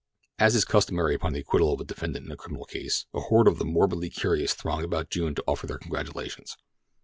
As is customary upon the acquittal of a defendant in a criminal case, a horde of the morbidly curious thronged about June to offer their congratulations.